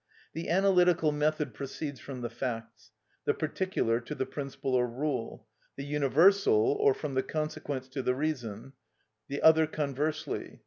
The analytical method proceeds from the facts; the particular, to the principle or rule; the universal, or from the consequents to the reasons; the other conversely.